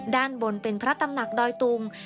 ด้านบนเป็นพระตำหนักดอยตุง